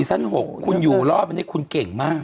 โซ่น๖คุณอยู่รอบปีนี้คุณเก่งมาก